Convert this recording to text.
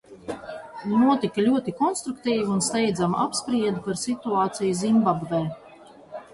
Notika ļoti konstruktīva un steidzama apspriede par situāciju Zimbabvē.